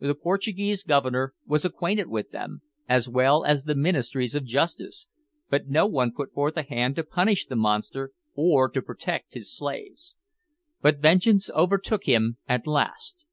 The Portuguese Governor was acquainted with them, as well as the ministers of justice, but no one put forth a hand to punish the monster, or to protect his slaves. But vengeance overtook him at last.